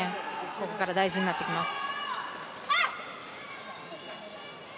ここから大事になってきます。